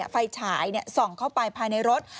ไฟฉายส่องเข้าไปภายในรถ